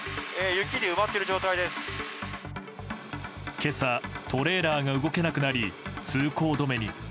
今朝、トレーラーが動けなくなり通行止めに。